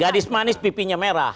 gadis manis pipinya merah